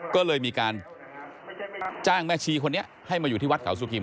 ก็เลยมีการจ้างแม่ชีคนนี้ให้มาอยู่ที่วัดเขาสุกิม